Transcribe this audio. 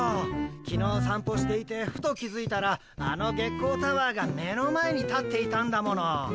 きのうさんぽしていてふと気づいたらあの月光タワーが目の前に立っていたんだもの。